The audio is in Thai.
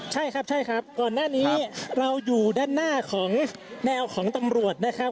ใช่ครับใช่ครับก่อนหน้านี้เราอยู่ด้านหน้าของแนวของตำรวจนะครับ